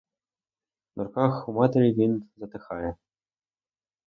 На руках у матері він затихає.